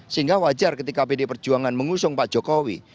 sehingga wajar ketika pdi perjuangan mengusung pak jokowi